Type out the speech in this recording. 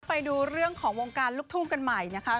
ไปดูเรื่องของวงการลูกทุ่งกันใหม่นะคะ